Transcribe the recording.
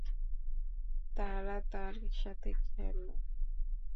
তারা তার সাথে খেল।